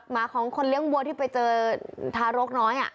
หมาของคนเลี้ยงวัวที่ไปเจอทารกน้อย